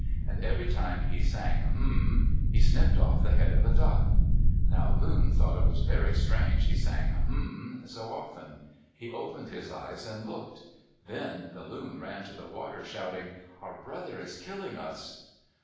And every time he sang hum he snipped off the head of a duck. Now Loon thought it very strange he sang hum so often. He opened his eyes and looked. Then Loon ran to the water shouting, "Our brother is killing us."